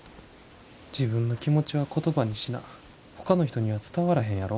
自分の気持ちは言葉にしなほかの人には伝わらへんやろ？